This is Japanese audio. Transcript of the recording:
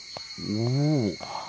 おお。